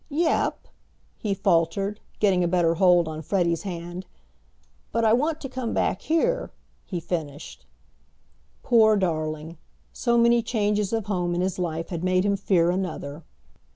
"Yep," he faltered, getting a better hold on Freddie's hand, "but I want to come back here," he finished. Poor darling! So many changes of home in his life had made him fear another.